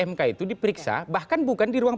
mk itu diperiksa bahkan bukan di ruang